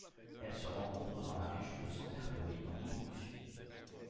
Elle se rencontre dans la région de Canterbury dans l'île du Sud.